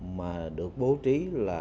mà được bố trí là